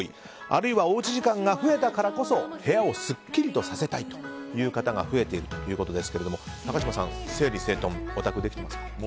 あるいは、おうち時間が増えたからこそ部屋をすっきりとさせたいという方が増えているということですが高嶋さん、整理整頓お宅、できていますか？